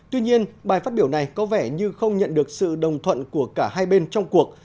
tuy nhiên bài phát biểu này có vẻ như không nhận được sự đồng thuận của cả hai bên trong cuộc